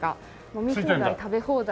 飲み放題食べ放題？